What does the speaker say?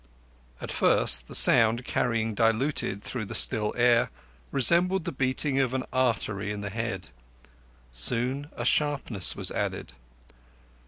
At first the sound, carrying diluted through the still air, resembled the beating of an artery in the head. Soon a sharpness was added.